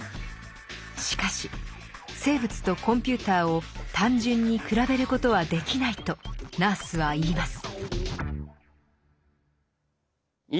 しかし生物とコンピューターを単純に比べることはできないとナースは言います。